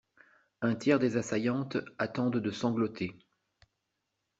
Un tiers des assaillantes attendent de sangloter.